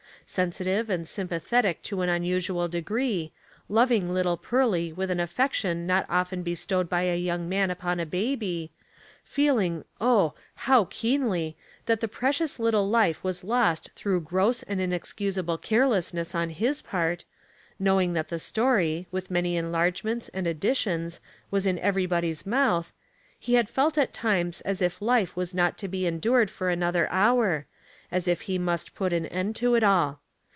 Sensitive and sympathetic to an unusual de gree, loving little Pearly with an affection not often bestowed by a young man upon a baby, feeling, oh ! how keenly, that the precious little life was lost through gross and inexcusable care lessness on his part, knowing that the story, with many enlargements and additions, was in everybody's mouth, he had felt at times as if life was not to be endured for another hour, as if he must put an end to it all.